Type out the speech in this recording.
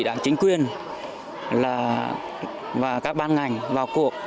các ủy đảng chính quyền và các ban ngành vào cuộc